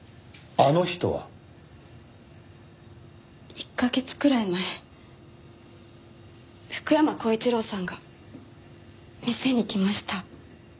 １カ月くらい前福山光一郎さんが店に来ました。